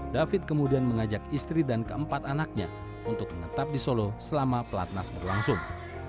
pada dua ribu dua puluh david kemudian mengajak istri dan keempat anaknya untuk menetap di solo selama pelatnas berlangsung